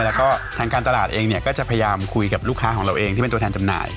แล้วก็ทางการตลาดเองเนี่ยก็จะพยายามคุยกับลูกค้าของเราเองที่เป็นตัวแทนจำหน่าย